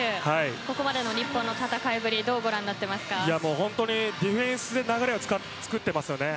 ここまでの日本の戦いぶりディフェンスで流れをつくっていますよね。